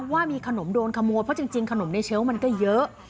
ว่ามีขนมโดนขโมยเพราะจริงขนมในเชลล์มันก็เยอะ